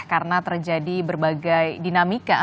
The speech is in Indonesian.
karena terjadi berbagai dinamika